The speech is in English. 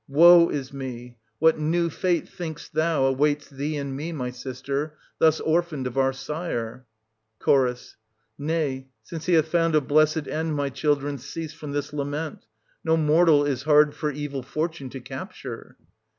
Woe is me ! What new fate, think'st thou, 1720 awaits thee and me, my sister, thus orphaned of our sire? Ch. Nay, since he hath found a blessed end, my children, cease from this lament ; no mortal is hard for evil fortune to capture.